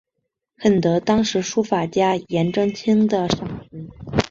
很得当时书法家颜真卿的赏识。